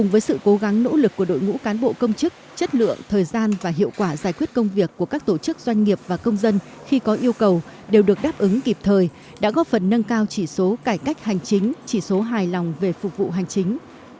với sự cố gắng nỗ lực của đội ngũ cán bộ công chức chất lượng thời gian và hiệu quả giải quyết công việc của các tổ chức doanh nghiệp và công dân khi có yêu cầu đều được đáp ứng kịp thời đã góp phần nâng cao chỉ số cải cách hành chính chỉ số hài lòng về phục vụ hành chính